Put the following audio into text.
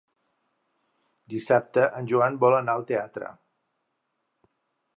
Dissabte en Joan vol anar al teatre.